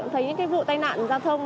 thấy những vụ tai nạn giao thông